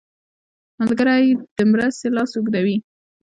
ملګری د مرستې لاس اوږدوي